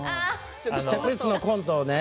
試着室のコント